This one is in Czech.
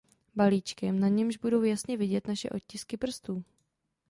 Balíčkem, na němž budou jasně vidět naše otisky prstů.